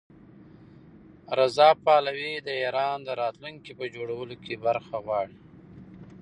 رضا پهلوي د ایران د راتلونکي په جوړولو کې برخه غواړي.